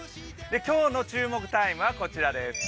今日の注目タイムはこちらです。